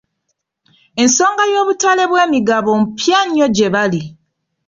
Ensonga y'obutale bw'emigabo mpya nnyo gye bali.